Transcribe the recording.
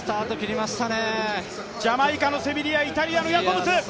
ジャマイカのセビリアイタリアのヤコブス。